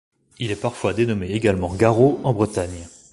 Il est parfois dénommé également garro en Bretagne.